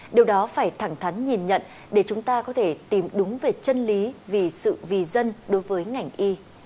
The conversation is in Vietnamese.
điều đó phải thẳng thắn nhìn nhận để chúng ta có thể tìm đúng về chân lý vì sự vì dân đối với ngành y